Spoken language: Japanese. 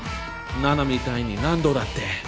ナナみたいに何度だって。